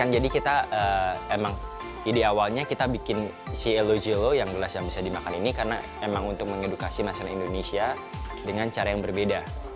jadi kita emang ide awalnya kita bikin si elojelo yang gelas yang bisa dimakan ini karena emang untuk mengedukasi masyarakat indonesia dengan cara yang berbeda